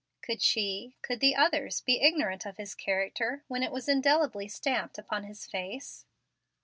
Could she could the others be ignorant of his character, when it was indelibly stamped upon his face?